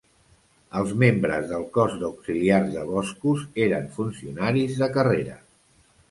Els membres del Cos d'Auxiliars de Boscos eren funcionaris de carrera.